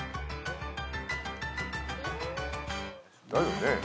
だよね。